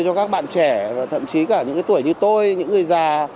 cho các bạn trẻ và thậm chí cả những tuổi như tôi những người già